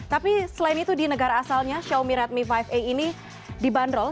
tapi selain itu di negara asalnya xiaomi radmi lima a ini dibanderol